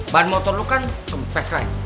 ban motor lu kan kepes kan